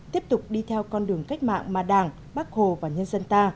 tiếp tục đi theo con đường cách mạng mà đảng bác hồ và nhân dân ta